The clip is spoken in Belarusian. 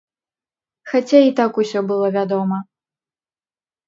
Хаця і так усё было вядома.